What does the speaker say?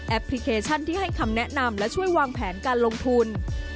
พลิเคชันที่ให้คำแนะนำและช่วยวางแผนการลงทุน